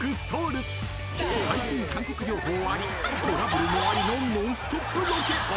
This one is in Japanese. ［最新韓国情報ありトラブルもありのノンストップロケ］